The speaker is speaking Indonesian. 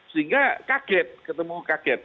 sehingga kaget ketemu kaget